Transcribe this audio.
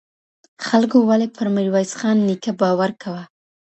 خلګو ولي پر ميرويس خان نيکه باور کاوه؟